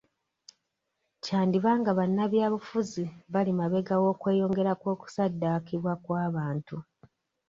Kyandiba nga bannabyabufuzi bali mabega w'okweyongera kw'okusaddakibwa kw'abantu.